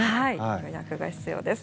予約が必要です。